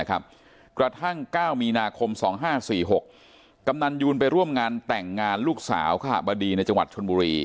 กระทั่ง๙มีนาคม๒๕๔๖กำนันยูนไปร่วมงานแต่งงานลูกสาวค่ะบดีในจังหวัดชนบุรี